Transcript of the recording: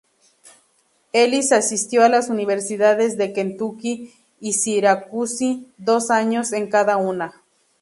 Ellis asistió a las universidades de Kentucky y Syracuse, dos años en cada una.